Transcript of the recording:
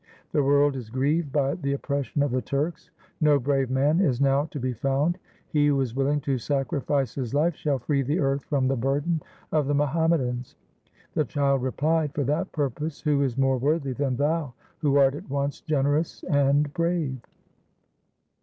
The world is grieved by the oppression of the Turks. No brave man is now to be found. He who is willing to sacrifice his life shall free the earth from the burden of the Muhammadans.' The child replied :' For that purpose who is more worthy than thou who art at once generous and brave